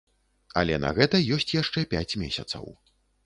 Але на гэта ёсць яшчэ пяць месяцаў.